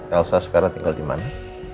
elsa sekarang tinggal di mana